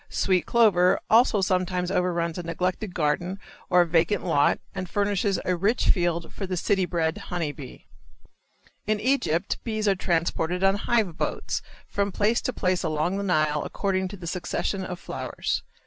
Sweet clover also sometimes overruns a neglected garden or vacant lot and furnishes a rich field for the city bred honey bee. In Egypt bees are transported on hive boats from place to place along the Nile according to the succession of flowers.